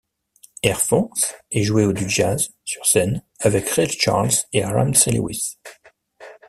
Air Force, et joué du jazz, sur scène, avec Ray Charles et Ramsey Lewis.